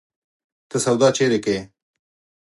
ته سودا چيري کيې؟